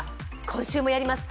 今週もやります。